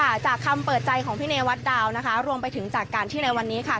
ค่ะจากคำเปิดใจของพี่เนวัดดาวนะคะรวมไปถึงจากการที่ในวันนี้ค่ะ